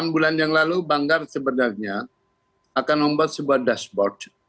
delapan bulan yang lalu banggar sebenarnya akan membuat sebuah dashboard